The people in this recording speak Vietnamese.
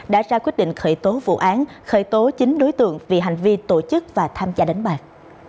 đã ra quyết định khởi tố vụ án khởi tố chín đối tượng vì hành vi tổ chức và tham gia đánh bạc